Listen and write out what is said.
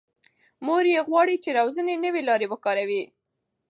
مور یې غواړي چې روزنې نوې لارې وکاروي.